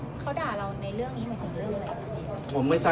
เขาด่าเราในเรื่องนี้หมายถึงเรื่องอะไร